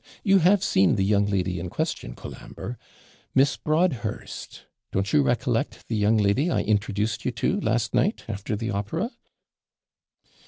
You have seen the young lady in question, Colambre Miss Broadhurst. Don't you recollect the young lady I introduced you to last night after the opera?'